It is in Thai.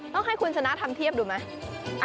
ต้องให้คุณชนะทำเทียบดูไหม